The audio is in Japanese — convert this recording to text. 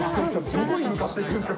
どこに向かっていくんですか？